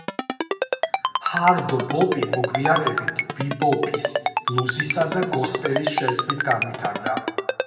ჰარდ ბოპი მოგვიანებით ბიბოპის, ბლუზისა და გოსპელის შერწყმით განვითარდა.